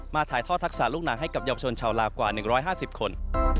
ถ่ายทอดทักษะลูกหนังให้กับเยาวชนชาวลาวกว่า๑๕๐คน